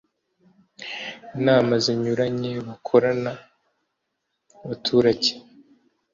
nama zinyuranye bakorana n abaturage